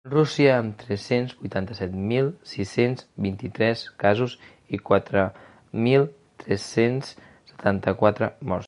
Rússia, amb tres-cents vuitanta-set mil sis-cents vint-i-tres casos i quatre mil tres-cents setanta-quatre morts.